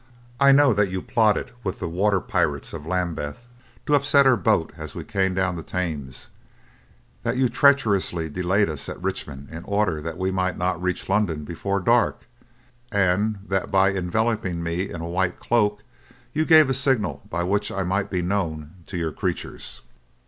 "I know that you plotted with the water pirates of Lambeth to upset our boat as we came down the Thames; that you treacherously delayed us at Richmond in order that we might not reach London before dark; and that by enveloping me in a white cloak you gave a signal by which I might be known to your creatures."